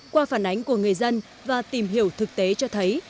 qua phản ánh của người dân và tìm hiểu thực tế cho thấy